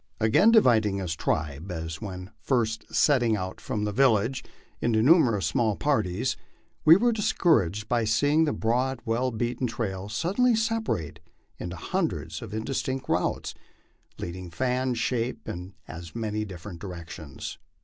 Again dividing his tribe, as when first setting out from the village, into numerous small parties, we were discouraged by seeing the broad well beaten trail suddenly separate into hundreds of indistinct routes, leading fan shape in as many different directions.